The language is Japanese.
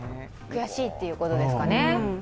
悔しいってことですかね。